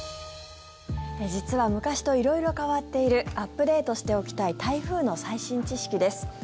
実は昔と色々変わっているアップデートしておきたい台風の最新知識です。